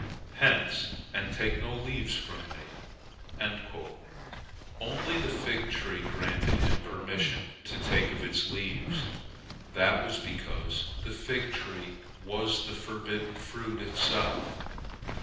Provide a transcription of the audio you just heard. Hence, and take no leaves from me!" Only the fig tree granted him permission to take of its leaves. That was because the fig was the forbidden fruit itself.